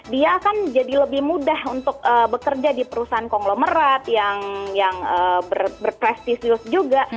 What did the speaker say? dia akan jadi lebih mudah untuk bekerja di perusahaan konglomerat yang berprestisius juga